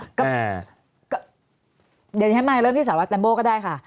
เดี๋ยวนี้ให้มาเริ่มที่สหรัฐแตนโบก็ได้ค่ะ